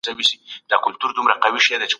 ولي ژور فکر اړین دی؟